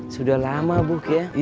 sudah lama bu